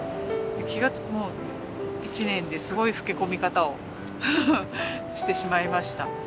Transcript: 気がつくと１年ですごい老け込み方をしてしまいました。